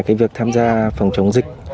ngoài việc tham gia phòng chống dịch